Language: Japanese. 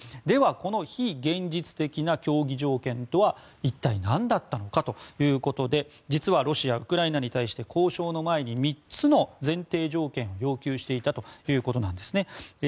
では、この非現実的な協議条件とは一体何だったのかということで実はロシア、ウクライナに対して交渉の前に３つの前提条件を要求していたということです。